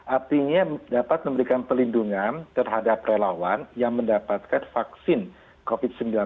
artinya dapat memberikan pelindungan terhadap relawan yang mendapatkan vaksin covid sembilan belas